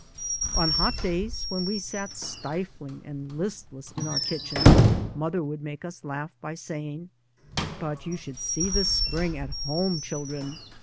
On hot days, when we sat stifling and listless in our kitchen, mother would make us laugh by saying, " But you should see the spring at home, children.